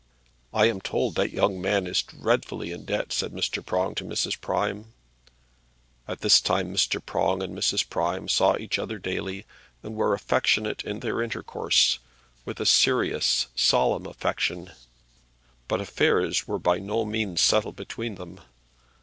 "I am told that young man is dreadfully in debt," said Mr. Prong to Mrs. Prime. At this time Mr. Prong and Mrs. Prime saw each other daily, and were affectionate in their intercourse, with a serious, solemn affection; but affairs were by no means settled between them.